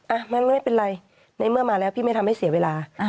อ่ะมันไม่เป็นไรในเมื่อมาแล้วพี่ไม่ทำให้เสียเวลา